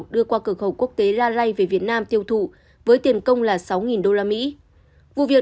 đưa qua cửa khẩu quốc tế la ray về việt nam tiêu thụ với tiền công là sáu usd vụ việc